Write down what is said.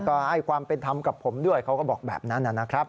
ก็ให้ความเป็นธรรมกับผมด้วยเขาก็บอกแบบนั้นนะครับ